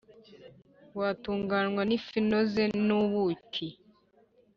Watungwaga n ‘ifu inoze n’ ubuki.